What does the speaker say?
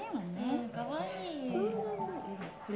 うんかわいい